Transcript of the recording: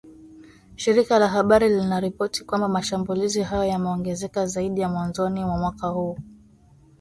Shirika la habari linaripoti kwamba mashambulizi hayo yameongezeka zaidi ya mwanzoni mwa mwaka huu